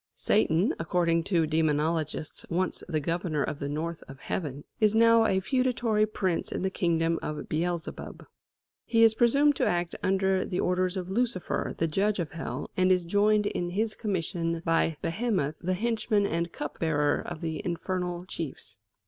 Satan, according to demonologists once the governor of the north of Heaven, is now a feudatory prince in the kingdom of Beelzebub. He is presumed to act under the orders of Lucifer, the judge of Hell, and is joined in his commission by Behemoth, the henchman and cupbearer of the infernal chiefs.